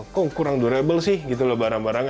kok kurang durable sih gitu loh barang barangnya